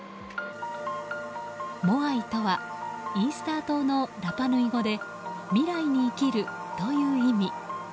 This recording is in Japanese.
モアイとはイースター島のラパヌイ語で未来に生きるという意味。